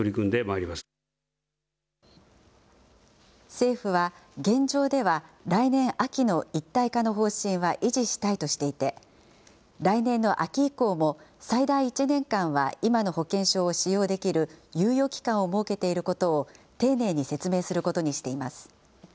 政府は現状では、来年秋の一体化の方針は維持したいとしていて、来年の秋以降も、最大１年間は今の保険証を使用できる猶予期間を設けていることを丁寧に説明することにしています。